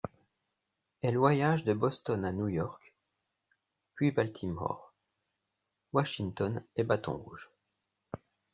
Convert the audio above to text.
Elle voyage de Boston à New York, puis Baltimore, Washington et Bâton-Rouge.